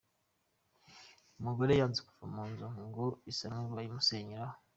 Umugore yanze kuva mu nzu ngo isanwe bayimusenyeraho